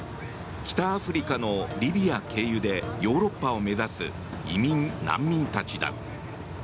北アフリカのリビア経由でヨーロッパを目指す移民・難民たちだ。